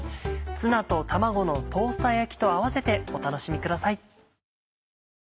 「ツナと卵のトースター焼き」と合わせてお楽しみください。